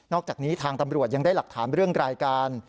อกจากนี้ทางตำรวจยังได้หลักฐานเรื่องรายการ